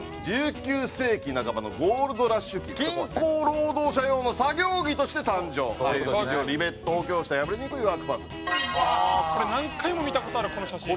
「１９世紀半ばのゴールドラッシュ期に金鉱労働者用の作業着として誕生」「デニム生地をリベット補強した破れにくいワークパンツ」これ何回も見た事あるこの写真。